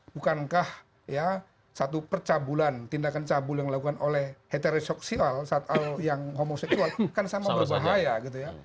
bukankah ya satu percabulan tindakan cabul yang dilakukan oleh heterosoksial yang homoseksual kan sama berbahaya gitu ya